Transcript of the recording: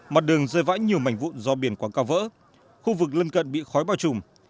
mặt đường rơi vãi nhiều mảnh vụn do biển quảng cáo vỡ khu vực lân cận bị khói bao trùm